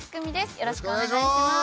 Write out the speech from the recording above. よろしくお願いします。